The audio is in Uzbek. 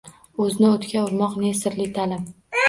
O‘zni o‘tga urmoq ne sirli ta’lim?!